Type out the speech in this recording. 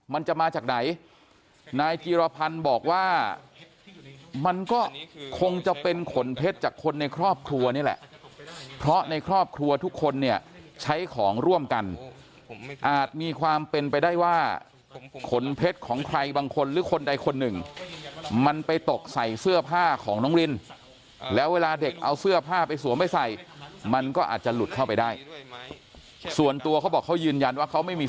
มันจะมาจากไหนนายจีรพันธ์บอกว่ามันก็คงจะเป็นขนเพชรจากคนในครอบครัวนี่แหละเพราะในครอบครัวทุกคนเนี่ยใช้ของร่วมกันอาจมีความเป็นไปได้ว่าขนเพชรของใครบางคนหรือคนใดคนหนึ่งมันไปตกใส่เสื้อผ้าของน้องรินแล้วเวลาเด็กเอาเสื้อผ้าไปสวมไปใส่มันก็อาจจะหลุดเข้าไปได้ส่วนตัวเขาบอกเขายืนยันว่าเขาไม่มี